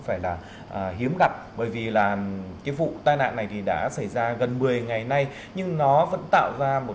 phải là hiếm gặp bởi vì là cái vụ tai nạn này thì đã xảy ra gần một mươi ngày nay nhưng nó vẫn tạo ra một